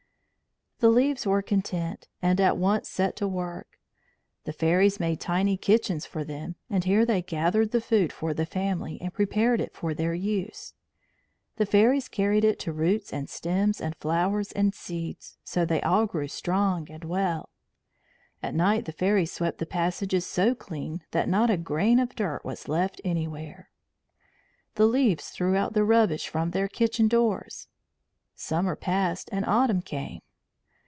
The leaves were content, and at once set to work. The fairies made tiny kitchens for them, and here they gathered the food for the family and prepared it for their use. The fairies carried it to roots and stems and flowers and seeds, so they all grew strong and well. At night the fairies swept the passages so clean that not a grain of dirt was left anywhere; the leaves threw out the rubbish from their kitchen doors. Summer passed and autumn came.